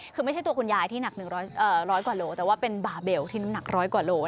คือไม่ใช่ตัวคุณยายที่หนัก๑๐๐กว่าโลแต่ว่าเป็นบาเบลที่น้ำหนักร้อยกว่าโล